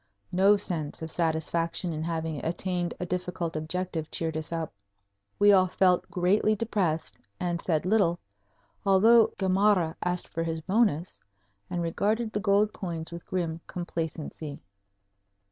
No sense of satisfaction in having attained a difficult objective cheered us up. We all felt greatly depressed and said little, although Gamarra asked for his bonus and regarded the gold coins with grim complacency.